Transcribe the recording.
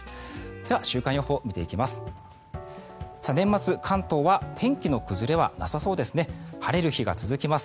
では、週間予報を見ていきます。